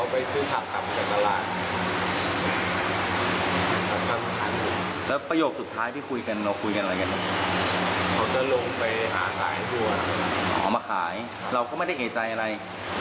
มันต้องไปมีคุณค่ะแต่ผมก็เก็บขอบคุณให้